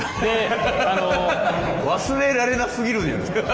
忘れられなすぎるんじゃないですか。